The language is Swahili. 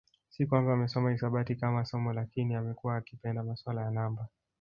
Si kwamba amesoma hisabati kama somo lakini amekuwa akipenda masuala ya namba